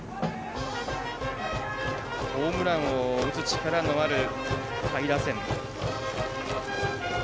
ホームランを打つ力のある下位打線。